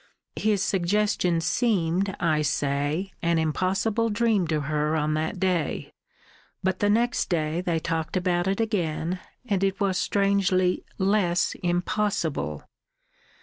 His suggestion seemed, I say, an impossible dream to her on that day, but the next day they talked about it again, and it was strangely less impossible.